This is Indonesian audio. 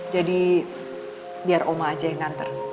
jadi biar omah aja yang nganter